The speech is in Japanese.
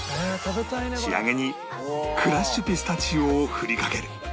仕上げにクラッシュピスタチオを振りかける